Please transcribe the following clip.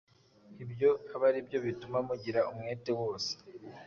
Ibyo abe ari byo bituma mugira umwete wose